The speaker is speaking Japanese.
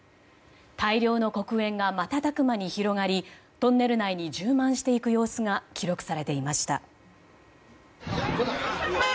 大量の黒煙が瞬く間に広がりトンネル内に充満していく様子が記録されていました。